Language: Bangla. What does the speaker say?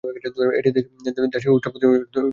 এটি দেশটির উত্তর-পশ্চিম অঞ্চলে অবস্থিত।